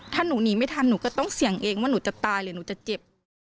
ถ้าหนูหนีไม่ทันหนูก็ต้องเสี่ยงเองว่าหนูจะตายหรือหนูจะเจ็บ